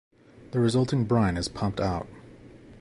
The resulting brine is pumped out.